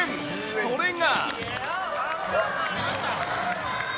それが。